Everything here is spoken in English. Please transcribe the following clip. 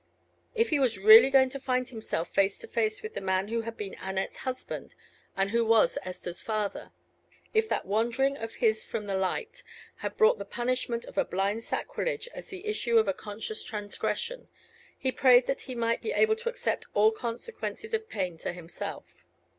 If he was really going to find himself face to face with the man who had been Annette's husband, and who was Esther's father if that wandering of his from the light had brought the punishment of a blind sacrilege as the issue of a conscious transgression, he prayed that he might be able to accept all consequences of pain to himself.